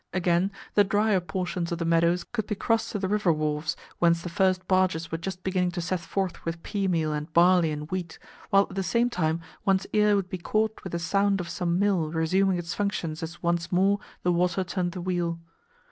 Again, the drier portions of the meadows could be crossed to the river wharves, whence the first barges were just beginning to set forth with pea meal and barley and wheat, while at the same time one's ear would be caught with the sound of some mill resuming its functions as once more the water turned the wheel.